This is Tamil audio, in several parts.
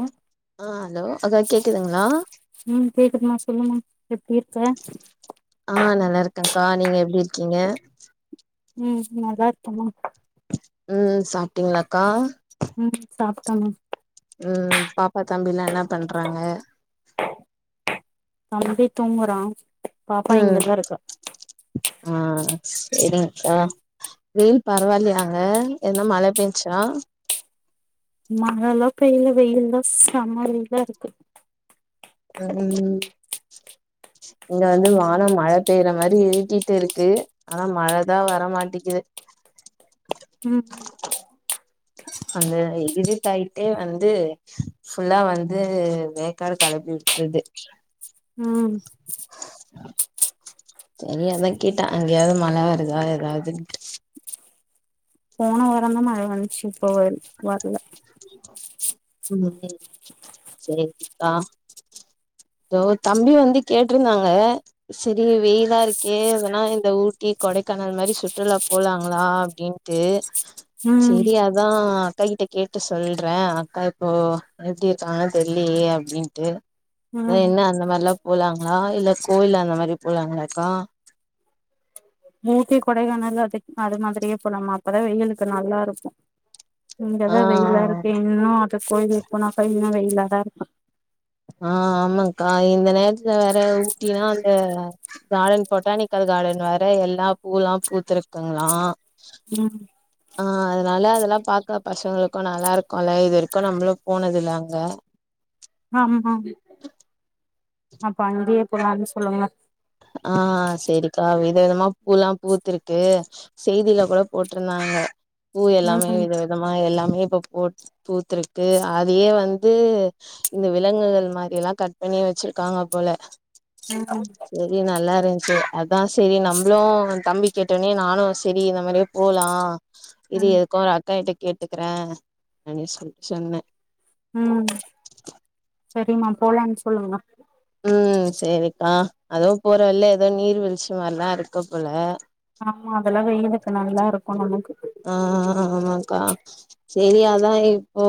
அ அ ஹலோ அக்கா கேக்குதுங்ளா உம் கேக்குதுமா சொல்லுமா எப்டி இருக்க ஆ நல்லா இருக்கேக்கா நீங்க எப்டி இருக்கீங்க உம் நல்லா இருக்கே மா உம் சாப்டிங்ளாக்கா உம் சாப்ட்டே மா உம் பாப்பா தம்பில்லா என்னா பண்றாங்க தம்பி தூங்கறா பாப்பா ம் இங்கதா இருக்கா ஆ சேரிங்க்கா வெயில் பரவால்லயா அங்க என்னா மழ பெஞ்ச்சா மழைல்லா பெய்ல வெயில் தா செமையா இருக்கு உம் இங்க வந்து வானோ மழ பெய்ற மாறி இருட்டிட்டு இருக்கு ஆனா மழதா வரமாட்டிக்குது உம் அந்த இருட்டாயிட்டே வந்து ஃபுல்லா வந்து வேக்காடு கெளப்பி வுட்ருது உம் சரி அத்தா கேட்டே அங்கயாது மழ வருதா ஏதா துன்ட்டு போன வாரந்தா மழ வந்துச்சு இப்ப வர் வர்ல உம் உம் சேரிங்க்கா தோ தம்பி வந்து கேட்டிருந்தாங்க சேரி வெயிலா இருக்கே எதுன்னா இந்த ஊட்டி கொடைக்கானல் மாறி சுற்றுலா போலாங்ளா அப்டின்னு ட்டு ம் சேரி அத்தா அக்கா கிட்ட கேட்டு சொல்றே அக்கா இப்போ எப்டி இருக்காங்கன்னு தெர்லயே அப்டின்ட்டு அத்தா ம் இன்னு அந்த மாறில்லா போலாங்ளா இல்ல கோயில் அந்த மாறி போலாங்ளாக்கா மூட்டி கொடைக்கானல் அதுக்கு அது மாதிரியே போலாமா அப்பதா வெயிலுக்கு நல்லா இருக்கும் ஆ இங்கதான் வெயிலா இருக்கே இன்னும் அது கோயிலுக்கு போனா கோயில் இன்னும் வெயிலா தா இருக்கும் ஆ ஆமாக்கா இந்த நேரத்துல வேற ஊட்டின்னா அந்த கார்டன் பொட்டானிக்கல் கார்டன் வேற எல்லா பூல்லா பூத்துயிருக்குங்ளா உம் ஆ அதனால அதெல்லா பாக்கற பசங்களுக்கு நல்லா இருக்குல்ல இது வரைக்கும் நம்பளும் போனது இல்ல அங்க ஆமா அப்ப அங்கயே போலான்னு சொல்லுங்க ஆ சேரிக்கா வித விதமா பூல்லா பூத்துருக்கு செய்தில கூட போட்ருந்தாங்க பூ எல்லாமே ம் வித விதமா எல்லாமே இப்ப போ பூத்திருக்கு அதையே வந்து இந்த விலங்குகள் மாதிரிலா கட் பண்ணி வெச்சிருக்காங்க போல உம் செரி நல்லா இருச்சு அதா செரி நம்பளும் தம்பி கேட்டோனே நானும் செரி இந்த மாதிரியே போலா இரு ம் எதுக்கு அக்கா கிட்ட கேட்டுக்கற அப்டின் சொ சொன்ன உம் சரிமா போலானு சொல்லுங்க உம் சேரிக்கா அதுவு போற வழில ஏதோ நீர் வீழ்ச்சி மாதிரிலா இருக்கு போல ஆமா அதெல்லா வெயிலுக்கு நல்லா இருக்கும் நமக்கு ஆஹ ஆமாக்கா சேரி அதான் இப்போ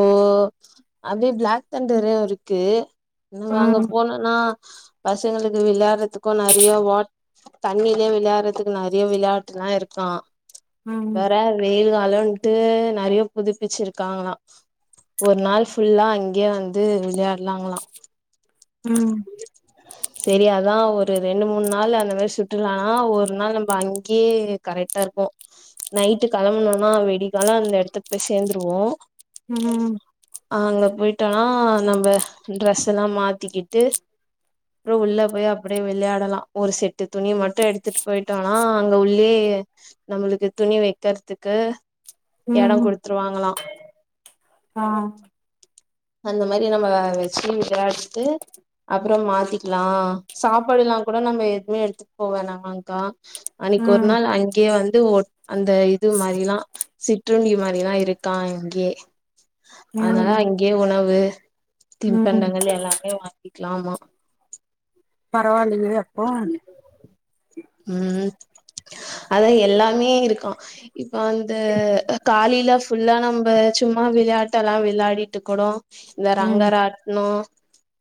அப்டியே பிளாக் தண்டரும் இருக்கு நாங்க அங்க ம் போனன்னா பசங்களுக்கு விளையாறதுக்கும் நெறைய வாட் தண்ணிலே விளையாடுறதுக்கு நிறைய விளையாட்டுல்லா இருக்கா ம் வேற வெயில் காலன்ட்டு நெறைய புதுப்பிச்சிருக்காங்ளா ஒரு நாள் ஃபுல்லா அங்கே வந்து விளையாடுலாங்களா ம் சரி அதா ஒரு ரெண்டு மூணு நாள் அந்த மாரி சுத்துனா ஒரு நாள் நம்ம அங்கே கரெக் டப்போ நைட்டு கிளம்பனும்னா வெடிகால அந்த எடத்துக்கு போய் சேந்துருவோ ம் அ அங்க போயிட்டனா நம்ம ட்ரெஸ் எல்லா மாத்திக்கிட்டு அப்ற உள்ள போய் அப்டியே விளையாடலா ஒரு செட்டு துணி மட்டும் எடுத்துட்டு போயிட்டோம்னா அங்க உள்ளயே நம்மளுக்கு துணி வெக்கற்துக்கு எடம் ம் குடுத்துருவாங்களா ஆ அந்த மாரி நம்ம வெச்சி விளையாட்டு அப்பற மாத்திக்ளா சாப்பாடுல்லா கூட நம்ம எதுவுமே எடுத்துட்டு போவ வேணாமாக்கா அன்னைக்கு ஒரு ம் நாள் அங்கேயே வந்து அந்த இது மாரிலா சிற்றுண்டி மாரில்லா இருக்கா அங்கே அதனால ம் இங்கே உணவு ம் திண்பண்டங்கள் எல்லாமே வாங்கிக்கலாமா பரவாயில்லயே அப்போ ம் அதா எல்லாமே இருக்கா இப்ப அந்த காலில ஃபுல்லா நம்ப சும்மா விளையாட்டல்லா விளையாடிட்டு இருக்கனு இந்த ம் ரங்கராட்ன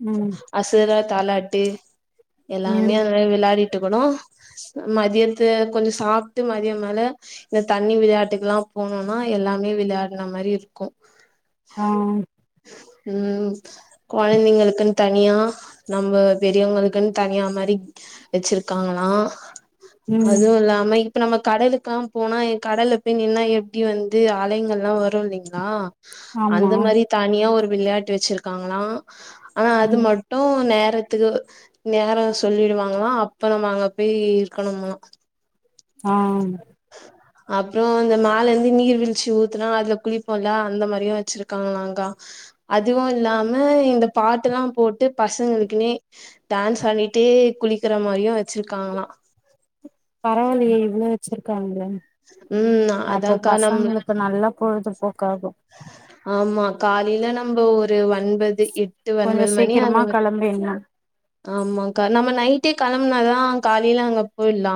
ம் அசுர தாலாட்டு எல்லாமே ம் [unintelligible] விளயாடிட்டு போணு மதியத்த கொஞ்சம் சாப்ட்டு மதியம் மேல இந்த தண்ணி விளையாட்டுக்கல்லா போனும்னா எல்லாமே விளையாடின மாரி இருக்கு அ ம் கொழந்தைங்களுக்குன் தனியா நம்ம பெரியவங்களுக்குன் தனியா மாரி வெச்சிருக்காங்களா ம் அதுவு இல்லாம இப்ப நம்ம கடலுக்கெல்லா போனா கடல்ல போய் நின்னா எப்படி வந்து அலைகள் எல்லாம் வரும் இல்லைங்ளா ஆமா அந்த மாரி தனியா ஒரு விளையாட்டு வெச்சிருக்காங்களா ஆ அது ம் மட் டு நேரத்துகு நேரம் சொல்லிடுவாங்களா அப்பறம் நம்ம அங்க போய் இருக்கணும்மா ஆ அப்றோ அந்த மேல இந்து நீர் வீழ்ச்சி ஊத்துனா அதுல குளிப்போம்ல அந்த மாதிரியு வெச்சிருக்காங்களாக்கா அதுவு இல்லாம இந்த பாட்டுல்லா போட்டு பசங்களுக்குனே டான்ஸ் ஆடிட்டே குளிக்கிற மாரியு வச்சிருக்காங்ளா பரவாயில்லயே இவுளோ வச்சிருக்காங்ளா ம் அப்போ அதாக்கா நம் பசங்களுக்கு நல்லா பொழுதுபோக்காகு ஆமா காலேல நம்ம ஒரு ஒன்பது எட்டு ஒன்பது மணி அளவு வந்தேனா ஆமாக்கா நம்ம நைட்டே கெளம்புனாதா காலேல அங்க போய்ர்லா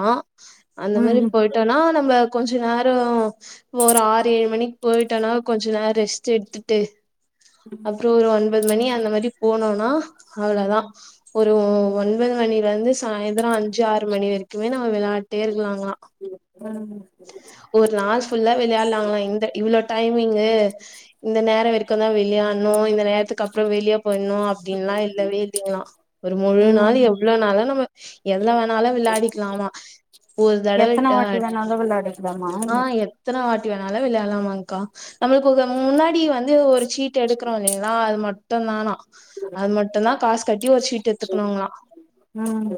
அந்த ம் மாரி போய்ட்டோனா நம்ம கொஞ்ச நேரோ ஒர் ஆறு ஏழு மணிக் போய்ட்டோனா கொஞ்சு நேர் ரெஸ்ட் எடுத்துட்டு அப்றோ ஒரு ஒன் ஒம்பது மணி அந்த மாரி போனோனா அவுளதா ஒரு ஒன்பது மணில இருந்து சாயந்திரோ அஞ்சு ஆறு மணி வரைக்குமே நம்ம விளாட்டே இருக்குலா அங்களா ம் ம் ஒரு நாள் ஃபுல்லா விளையாலாங்ளா இந்த இவுளோ டைமிங்கு இந்த நேரோ வரைக்குந்தா விளையாட்னு இந்த நேரத்துக்கப்றோ வெளிய போய்ர்ணு அப்டின்லா இல்லவே இல்லையா ஒரு முழு ம் நாள் ம் எவ்ளோனாலு நம்ம எதுல வேணாலு விளாடிக்லாமா ஒரு தடவ டாட் நல்லா விளாடு ஆ எத்தன வாட்டி வேணாலு விளையாலாமாங்க்கா நம்மள்க்கு ஒர்க்க முன்னாடி வந்து ஒரு சீ ட்டு எடுக்கிறோ இல்லைங்ளா அது மட் டுந்தானா அது மட்டுந்தா காஸ் கட்டி ஒரு சீட்டு எத்துக்குணுங்ளா ம்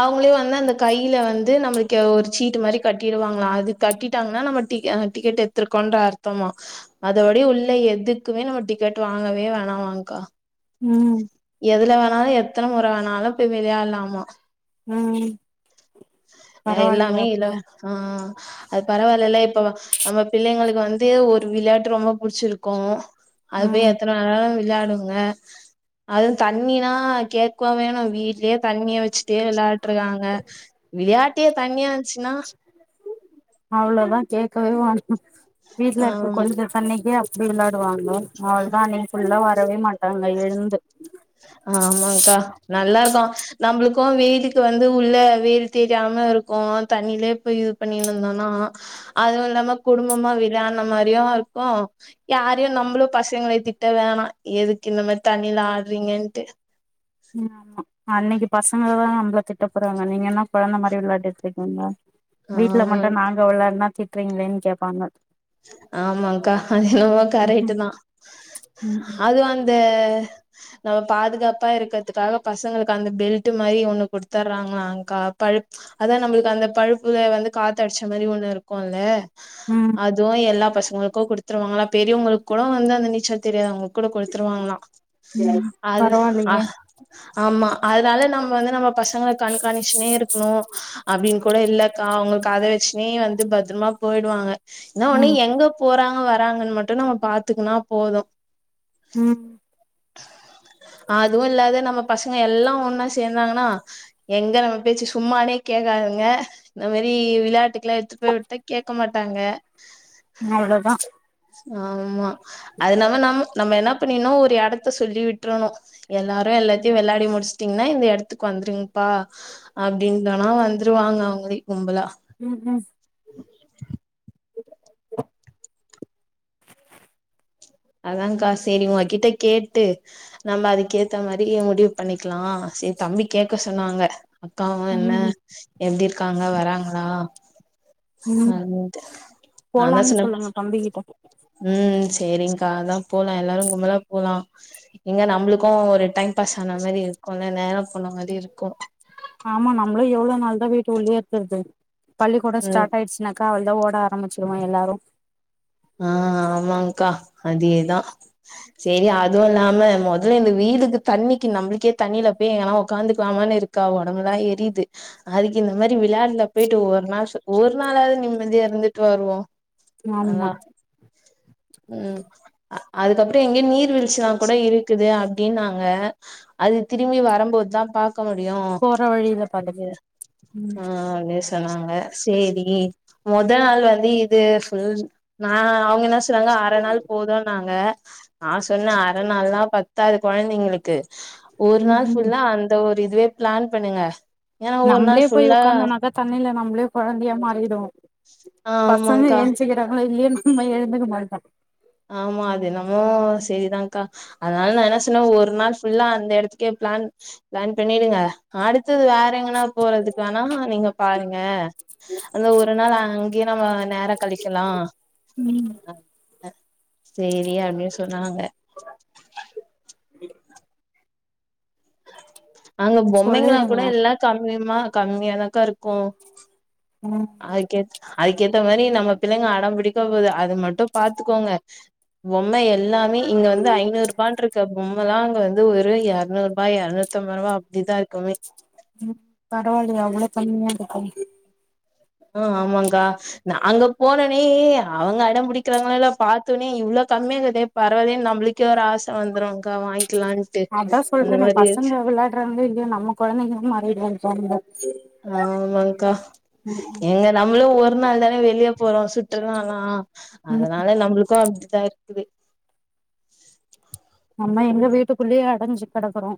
அவுங்குளே வந்து அந்த கைல வந்து நம்மள்க்கு ஒரு சீட்டு மாரி கட் டிருவாங்ளா அது கட்டிட்டாங்னா நம்ம டிக் அ டிக்கெட் எட்த்துருக்கோன்ற அர்த்தமா அதோடைய உள்ள எதுக்குமே நம்ம டிக்கெட் வாங்கவே வேணாமாங்க்கா ம் எதுல வேணாலு எத்தன முற வேணாலு போய் விளையாலாமா ம் ஏனா பரவாயில்லையே எல்லாமே இல அப்போ ஆ அது பரவாயில்லல இப்போ நம்ம பிள்ளைங்களுக்கு வந்து ஒரு விளாட்டு ரொம்ப புடிச்சிருக்கு அது போய் ம் எத்தன வேணாலு விளையாடுங்க அதூ தண்ணினா கேக்குவா வேணு வீட்லே தண்ணிய வச்சு ட்டே விளாட்ருக்காங்க விளையாட்டியே தண்ணியாந்ச்சுனா அவுளோதா கேக்கவே வேணா வீட்ல இருக்க ஆ கொஞ்ச தண்ணிக்கே அ ப்டி விளாடுவாங்க அவுள்தா இன்னைக்கு ஃபுல்லா வரவே மாட்டாங்க எழ்ந்து ஆமாங்க்கா நல்லதா நம்ளுக்கு வெயிலுக்கு வந்து உள்ள வெயில் தெரியாம இருக்கு தண்ணிலே இப்ப இது பண்ணின்வந்தோனா அதூ இல்லாம குடும்பமா விளாட்ன மாரியு இருக்கு யாரையு நம்புளு பசங்களை திட்ட வேணா எதுக்கு இந்த மாரி தண்ணில ஆட்றீங்கன்ட்டு இது ஆமா அன்னைக்கு பசங்களதா நம்ள திட்ட போறாங்க நீங்க என்ன கொழந்த மாரி விளாடிட்ருக்கீங்க வீட்ல ஆமா மட்டு நாங்க விளாட்னா திட்றீங்குளேன் கேப்பாங்க ஆமாங்க்கா அது என்னமோ ம் கரைட்டுதா ம் அது வந் து நம்ம பாதுகாப்பா இருக்கற்துக்காக பசங்களுக்கு அந்த பெல்ட்டு மாரி ஒன்னு குடுத்துர்றாங்ளாங்க்கா பல் அதா நம்ளுக்கு அந்த பல்ப்புல வந்து காத்தடிச்ச மாரி ஒன்னு இருக்குல ம் அதூ எல்லா பசங்களுக்கு குடுத்துருவாங்களா பெரியவுங்குளு வந்து அந்த நீச்சல் தெரியாதவ்ங்ளுக் கூட குடுத்துருவாங்ளா அது அ பரவாயில்லையே ஆமா அதனால நம்ம வந்து நம்ம பசங்க கண்காணிச்சனே இருக்கணு அப்படின்னு கூட இல்லக்கா அவங்க அத வச்சுனே வந்து பத்திரமா போயிடுவாங்க இன ஒண்ணு ம் எங்க போறாங்க வராங்கன்னு மட்டு நம்ம பாத்துக்கன்னா போது ம் அதுவு இல்லது நம்ம பசங்க எல்லா ஒன்னா சேர்ந்தாங்கன்னா எங்க நம்ம பேச்சு சும்மே கேட்காதுங்க இந்த மாரி விளையாட்டுக்கு எல்லா எடுத்துபோயி விட்ட கேட்க மாட்டாங்க அவ்வளதா ஆமா அ நம்ம நம் நம்ம என்ன பண்ணினுஒரு இடத்த சொல்லி விட்டுரணு எல்லாரு எல்லாத்தையு விளாடி முடிச்சுட்டீங்கன்னா இந்த இடத்துக்கு வந்துருங்கப்பா அப்டின்றனா வந்துருவாங்க அவங்களே கும்பலா ம் ம் அதான்கா சரி உங்க கிட்ட கேட்டு நம்ம அதுக்க ஏத்த மாதிரி முடிவு பண்ணிக்கலா சரி தம்பி கேட்க சொன்னாங்க அக்காவு என்ன ம் எப்படி இருக்காங்க வராங்களா ம் அப்டின் நா தா போலாம்னு சொன்ன சொல்லுங்க தம்பிகிட்ட ம் சரி்கா அதா போலா எல்லாரு கும்பலா போகலா இங்க நம்மளுக்கு ஒரு டைம் பாஸ் ஆன மாதிரி இருக்கு இல்ல நேர போன மாதிரி இருக்கு ஆமா நம்மளு எவ்வளவு நாள் தா வீட்டு உள்ளே இருகதுறது பள்ளி கூட ம் ஸ்டார்ட் ஆயிருச்சு னா அவ தா ஓட ஆரம்பிச்சிருவவோ எல்லாரு ஆஹ் ஆமாக்கா அதேதா சேரி அதுவு இல்லாம முதல்ல இந்த வேயிலுக்கு தண்ணிக்கு நம்மளுக்கே தண்ணியில போய் எங்கெல்லா போய் உகாந்துக்கலாமனு இருக்கு க்கா உடம்புலா எரியுது அதுக்கு இந்த மாதிரி விளாடல பேயிட்டு ஒரு நாள் ஒரு நாளாவது நிம்மதியா இருந்துட்டு வருவோ ஆமா நல்லா ம் அதுக்கப்புற எங்கயே நீர் வீழ்ச்சிலா கூட இருக்குது அப்டினு நாங்க அது திரும்பி வரும்போது தா பார்க்க முடியு போற வழியில பாத்துப்போ ம் ஆஹ் உண்மையா சொன்னாங்க சேரி முதல் நாள் வந்து இதுசொல் நா அவங்க சொன்னங்க அரை நாள் போதும்நாங்க ஆ சொன்னன் அரை நாள் பத்தாது பத்தாது கொழந்தைங்களுக்கு ஒரு நாள் ம் ஃபுல்லா அந்த ஒரு இதுவே பிளான் பண்ணுங்க ஏன்னா ஒரு நாளு நம்ளே போய் புல்லா உக்காந்தோனாக்கா தண்ணில நம்மளே குழந்தைய மாறிடும்வோ பசங்க ஆமாங்க்கா எந்திடுவாங்க தூங்கிடாங்கன சிக்கர எழுந்திருக்க மாட்டாங்க ஆமா அது என்னாமே சேரி தா அக்கா அதனால நா சொன்னே ஒரு நாள் ஃபுல்லா அந்த இடத்க்கே பிளான் பிளான் பண்ணிடுங்க அடுத்து வேற எங்கனா போறதுக்கு வேணா நீங்க பாருங்க அந்த ஒரு நாளே அங்கயே நம்ம நேர கழிக்கலா ம் சேரி அப்டின்னு சொன்னாங்க [inaudible] அங்க பொம்மைக சொல்லிடுங்க எல்லா காம்மி கம்மியானா தா அக்கா இருக்கு ம் அதுக்குஅதுக்குகேத்த மாரி நம்ம பிள்ளைங்க அடம் பிடிக்கு போது அது மட்டு பார்த்துக்கோங்க பொம்மை எல்லாமே இங்க வந்து ஐநூறு ரூபானு இருக்கா பொம்மைலா அங்க வந்து ஒரு இருநூறு ரூபாய் இருநூத்தி [unintelligible] அப்படிதா இருக்குமே ம் பரவால்லையா அவ்ளோ கம்மியா இருக்கே அ ஆமாங்க்கா நாங்க போனோனே அவுங்க அடம் பிடிக்கிறாங்களோ இல்லயோ பாத்தோனே இவ்ளோ கம்மியா இருக்குதே பரவாலயே நம்பளுக்கே ஒரு ஆச வந்துரு அக்கா வாங்கிக்லான் அதா சொல்றனே பசங்க விளாடுறாங்களோ இல்லையோ நம்ம குழந்தைங்ளா மாறிட்றோங்கா நம்ப ஆ ஆமாங்க்கா ஏங்க நம்மளு ஒரு நாள் தான வெளியப் போறோ சுற்றுலானா ம் அதனால நம்பளுக்கு வந்து டயக்குது நம்ப எங்க வீட்டுக்குள்ளயே அடஞ்சு கெடக்கறோ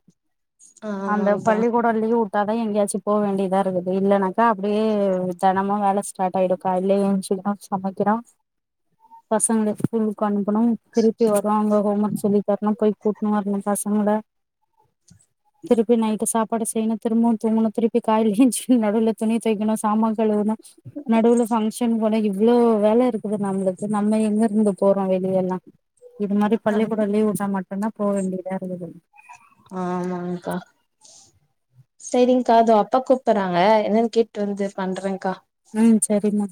அந்த ஆமாங்க்கா பள்ளிக்கூ டோ லீவு உட்டாதா எங்கேயாச்சும் போ வேண்டியதா இருக்குது இல்லனாக்கா அப்டே தெனமு வேல ஸ் ஸார்ட் ஆயிடு கால்ல ஏழுந்துச்சிகுறோ சமைக்கிறோ பசங்கள ஸ்கூலுக்கு அனுப்பணு திருப்பி வராங்க ஹோம் ஒர்க் சொல்லி தரணு போயி கூட்னு வரனு பசங்கள திருப்பி நைட்டு சாப்பாடு செய்ணு திரும்பவு தூங்கணு திருப்பி காலையில ஏந்திச்சு நடுவுல துணி தோய்க்கணு சாம்மான் கழுவுனு நடுவுல பங்ஷசன் [unintelligible] அவ்ளோ வேல இருக்கு நம்மளுக்கு நம்ம எங்க இருந்து போறோ வெளிய எல்லா இது மாரி பள்ளிக்கூடோ லீவ் உட்டா மட்டுந்தா போ வேண்டியதா இருக்குது ஆமாங்க்கா சேரிங்க்கா தோ அப்பா கூப்பட்றாங்க என்னன் கேட்டு வந்து பண்றங்க்கா ம் சரி மா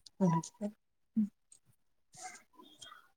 ம்